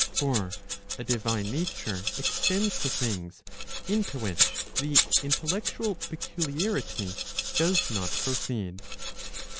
For a divine nature extends to things into which the intellec¬ tual peculiarity does not proceed.